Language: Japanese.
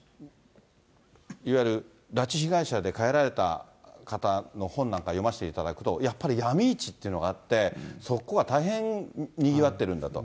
いわゆる拉致被害者で帰られた方の本なんか読ませていただくと、やっぱり闇市っていうのがあって、そこは大変にぎわってるんだと。